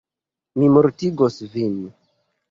Mi mortigos vin!